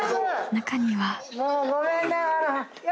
［中には］